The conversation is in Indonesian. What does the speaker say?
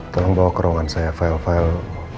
tolong bawa ke ruangan saya file file